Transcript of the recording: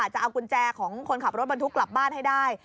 จะเอากุญแจของคนขับรถบรรทุกกลับบ้านให้ได้